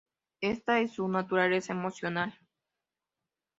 Esta es su naturaleza emocional.